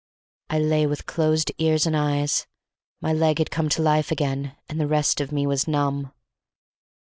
I lay with closed ears and eyes. My leg had come to life again, and the rest of me was numb.